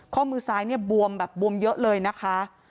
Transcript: ข้อมือซ้ายเนี่ยบวมแบบบวมเยอะเลยนะคะ